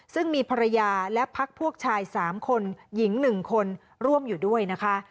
ซึ่งมีภรรยาและพักพวกชาย๓คนหญิง๑คนร่วมอยู่ด้วยนะคะ